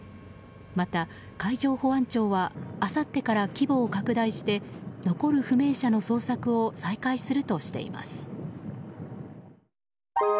また、海上保安庁はあさってから規模を拡大して残る不明者の捜索を再開するとしています。